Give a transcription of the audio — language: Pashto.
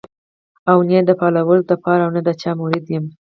او نۀ ئې د فالوورز د پاره او نۀ د چا مريد يم